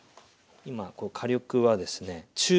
今火力はですね中火。